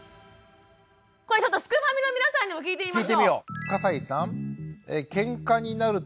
これちょっとすくファミの皆さんにも聞いてみましょう。